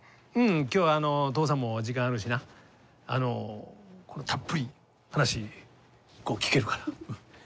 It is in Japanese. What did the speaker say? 今日あの父さんも時間あるしなあのたっぷり話聞けるから。